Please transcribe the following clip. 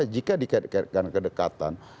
jika dikaitkan kedekatan